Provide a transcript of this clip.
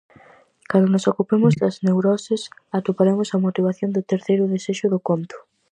Cando nos ocupemos das neuroses atoparemos a motivación do terceiro desexo do conto.